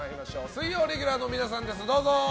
水曜レギュラーの皆さんです。